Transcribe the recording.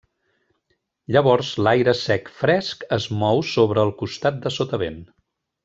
Llavors l'aire sec fresc es mou sobre el costat de sotavent.